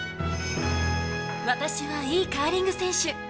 私はいいカーリング選手。